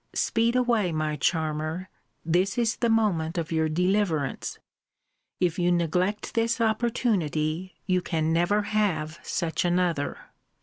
Speed away, my charmer this is the moment of your deliverance if you neglect this opportunity, you can never have such another.